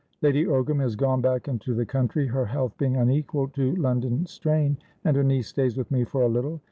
Lady Ogram has gone back into the country, her health being unequal to London strain, and her niece stays with me for a little.